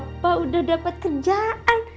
papa udah dapat kerjaan